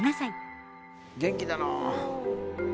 元気だな。